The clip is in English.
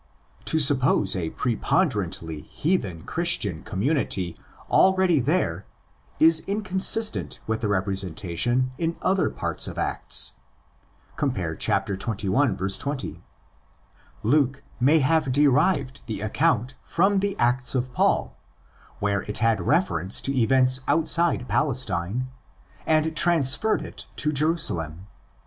To suppose a preponderantly heathen Christian com munity already there is inconsistent with the repre sentation in other parts of Acts (cf. xxi. 20). Luke may have derived the account from the Acts of Paul, where it had reference to events outside Palestine, and transferred it to Jerusalem.